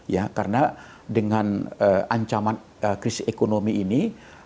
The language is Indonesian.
ya karena dengan ancaman krisis ekonomi ini